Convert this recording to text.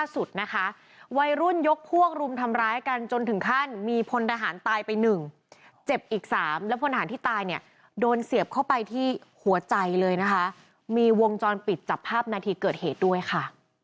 วัยรุ่นยกพวกรุมทำร้ายกันจนถึงขั้นมีพลทหารตายไปหนึ่งเจ็บอีกสามและพลทหารที่ตายเนี่ยโดนเสียบเข้าไปที่หัวใจเลยนะคะมีวงจรปิดจับภาพนาทีเกิดเหตุด้วยค่ะ